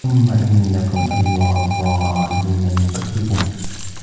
ثُمَّ إِنَّكُمْ أَيُّهَا الضَّالُّونَ الْمُكَذِّبُونَ